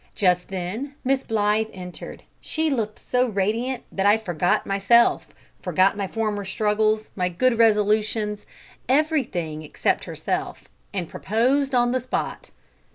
Just then Miss Blythe entered. She looked so radiant that I forgot myself, forgot my former struggles, my good resolutions everything except herself and proposed on the spot!